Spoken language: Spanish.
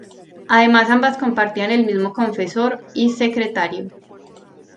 Además ambas compartían el mismo confesor y secretario.